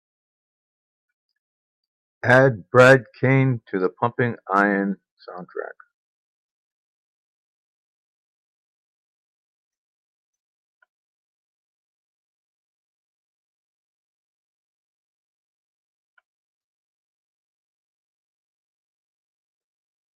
Add brad kane to the Pumping Iron soundtrack.